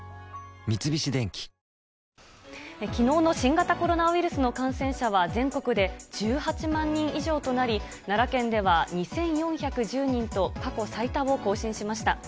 三菱電機きのうの新型コロナウイルスの感染者は全国で１８万人以上となり、奈良県では２４１０人と、過去最多を更新しました。